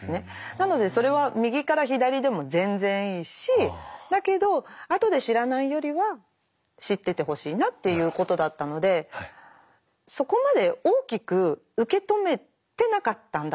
なのでそれは右から左でも全然いいしだけど後で知らないよりは知っててほしいなっていうことだったのでそこまで大きく受け止めてなかったんだと思います。